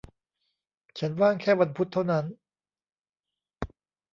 ฉันว่างแค่วันพุธเท่านั้น